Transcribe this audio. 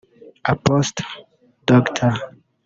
Apostle Dr